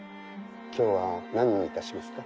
今日は何にいたしますか？